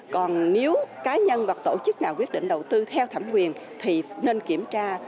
còn nếu cá nhân hoặc tổ chức nào quyết định đầu tư theo thẩm quyền thì nên kiểm tra